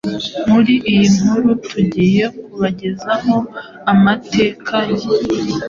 Muri iyi nkuru tugiye kubagezaho amateka ye,